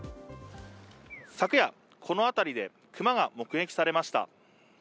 昨夜、この辺りでクマが目撃されました。